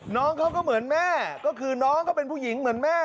น้องเขาก็เหมือนแม่ก็คือน้องเขาเป็นผู้หญิงเหมือนแม่